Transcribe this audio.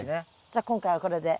じゃ今回はこれで。